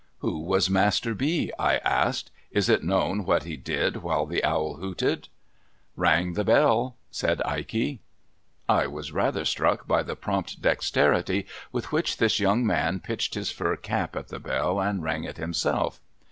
'Who was Master B. ?' I asked. ' Is it known what he did while the owl hooted ?'' Rang the bell,' said Ikey. I was rather struck by the prompt dexterity with which this young man pitched his fur cap at the bell, and rang it himself.